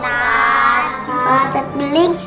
pak bautad beling